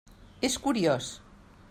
És curiós!